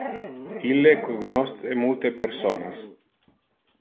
Ille cognosce multe personas.